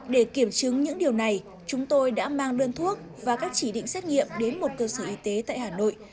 để kiểm chứng những điều này chúng tôi đã mang đơn thuốc và các chỉ định xét nghiệm đến một cơ sở y tế tại hà nội